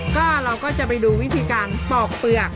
ก็เราก็จะไปดูวิธีการปอกเปลือก